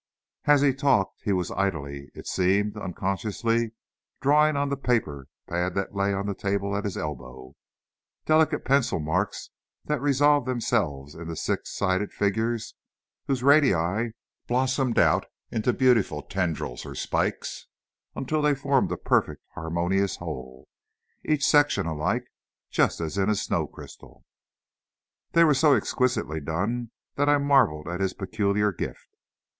As he talked he was idly, it seemed, unconsciously, drawing on the paper pad that lay on the table at his elbow delicate penciled marks that resolved themselves into six sided figures, whose radii blossomed out into beautiful tendrils or spikes until they formed a perfect, harmonious whole; each section alike, just as in a snow crystal. They were so exquisitely done that I marveled at his peculiar gift.